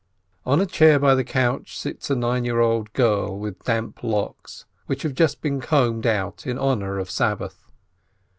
On a chair by the couch sits a nine year old girl with damp locks, which have just been combed out in honor of Sabbath.